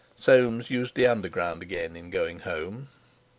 Soames used the underground again in going home.